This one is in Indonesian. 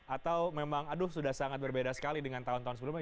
atau memang aduh sudah sangat berbeda sekali dengan tahun tahun sebelumnya